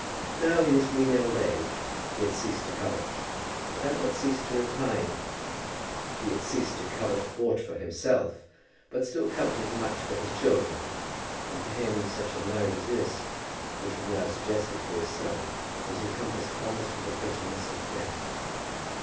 Now, in his green old age, he had ceased to covet, but had not ceased to repine. He had ceased to covet aught for himself, but still coveted much for his children; and for him such a marriage as this which was now suggested for his son was encompassed almost with the bitterness of death.